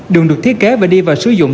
đường được thiết kế và đi và sử dụng